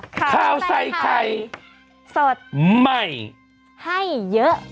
ข่าวใส่ไข่สดใหม่ให้เยอะ